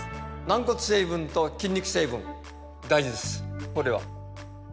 軟骨成分と筋肉成分大事です